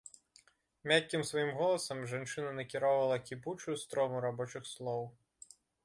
Мяккім сваім голасам жанчына накіроўвала кіпучую строму рабочых слоў.